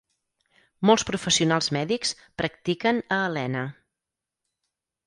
Molts professionals mèdics practiquen a Helena.